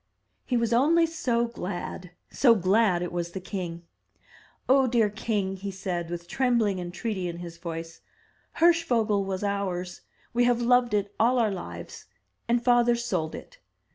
He was only so glad — so glad it was the king. "Oh, dear king!" he said, with trembling entreaty in his voice, "Hirschvogel was ours. We have loved it all our lives; and father sold it.